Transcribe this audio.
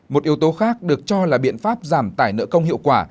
một yếu tố khác được cho là biện pháp giảm tải nợ công hiệu quả